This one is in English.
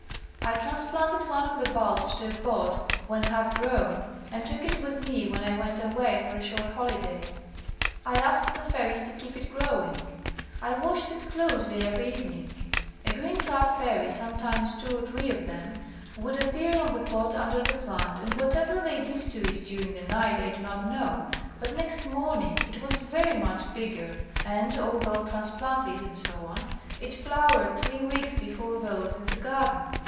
I transplanted one of the bulbs to a pot when half grown, and took it with me when I went away for a short holiday. I asked the fairies to keep it growing. I watched it closely every evening — a green clad fairy, sometimes two or three of them, would appear on the pot under the plant and whatever they did to it during the night I do not know, but next morning it was very much bigger, and, although transplanted, etc., it flowered three weeks before those in the garden.